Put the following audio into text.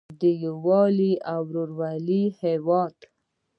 د یووالي او ورورولۍ هیواد.